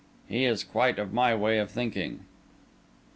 He is quite of my way of thinking."